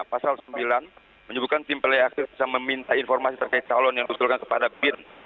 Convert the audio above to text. pasal sembilan menyebutkan tim pelai aktif bisa meminta informasi terkait calon yang diusulkan kepada bin